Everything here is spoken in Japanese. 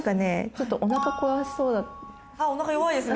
ちょっとおなか壊しそうあっおなか弱いです